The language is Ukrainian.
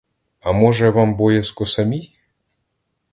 А може, вам боязко самій?